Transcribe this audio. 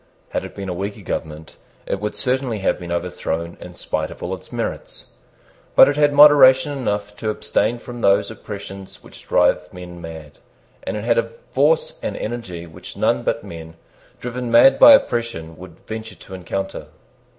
Had it been a weaker government, it would certainly have been overthrown in spite of all its merits. But it had moderation enough to abstain from those oppressions which drive men mad; and it had a force and energy which none but men driven mad by oppression would venture to encounter.